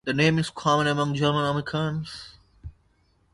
The name is common among German Americans.